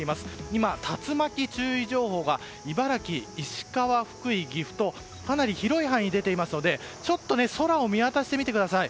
今、竜巻注意情報が茨城、石川、福井、岐阜とかなり広い範囲に出ていますので空を見渡してみてください。